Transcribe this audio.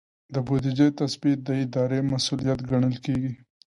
د بودیجې تثبیت د ادارې مسؤلیت ګڼل کیږي.